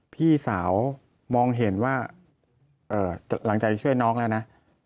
พี่สาวมองเห็นว่าหลังจากช่วยน้องแล้วนะ